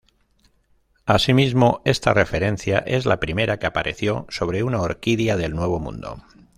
Asimismo, esta referencia es la primera que apareció sobre una orquídea del Nuevo Mundo.